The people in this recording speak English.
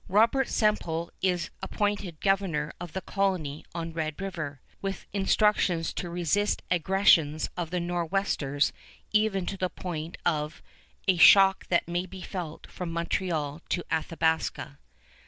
Robert Semple is appointed governor of the colony on Red River, with instructions to resist the aggressions of the Nor'westers even to the point of "a shock that may be felt from Montreal to Athabasca."